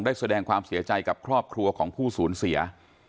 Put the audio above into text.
แสดงความเสียใจกับครอบครัวของผู้สูญเสีย